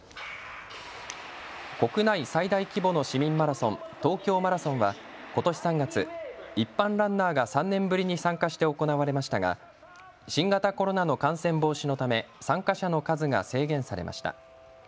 国内最大規模の市民マラソン、東京マラソンはことし３月、一般ランナーが３年ぶりに参加して行われましたが新型コロナの感染防止のため参加者の数が制限されました。